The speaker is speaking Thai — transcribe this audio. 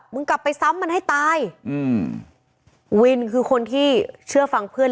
กลับไปซ้ำมันให้ตายอืมวินคือคนที่เชื่อฟังเพื่อน